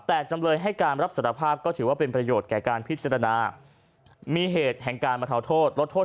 แต่จำเลยให้การรับสารภาพก็ถือว่าเป็นประโยชน์แก่การพิจารณามีเหตุแห่งการบรรเทาโทษลดโทษ